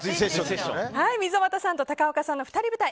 溝端さんと高岡さんの２人舞台